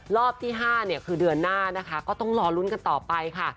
รอบที่๕เนี่ยคือเดือนหน้านะคะก็ต้องรอลุ้นกันต่อไปค่ะ